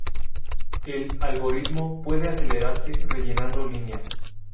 El algoritmo puede acelerarse rellenando líneas.